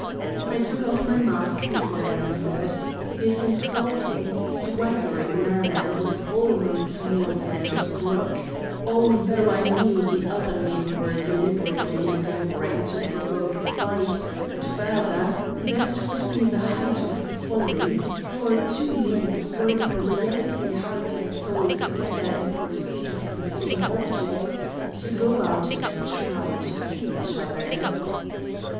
I took off my mask before I answered. His insulting, swaggering manner was almost more than I could brook, although I knew the other men were deliberately endeavoring to provoke a fight, and, further, that it would be the height of folly for two men who were in reality heart and soul together in pursuit of the same object to go out and try to kill each other.